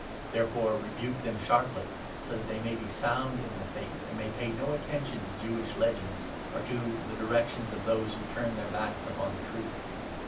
Therefore rebuke them sharply, so 13 that they may be sound in the Faith, and may pay no atten 14 tion to Jewish legends, or to the directions of those who turn their backs upon the Truth.